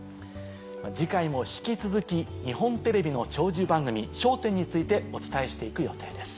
次回も引き続き日本テレビの長寿番組『笑点』についてお伝えして行く予定です。